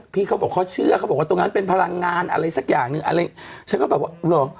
พี่เขาบอกเขาเชื่อเขาบอกว่าตรงนั้นเป็นพลังงานอะไรสักอย่างหนึ่ง